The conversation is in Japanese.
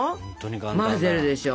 混ぜるでしょ。